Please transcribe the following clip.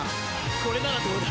これならどうだ！